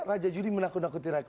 raja juli menakut nakuti rakyat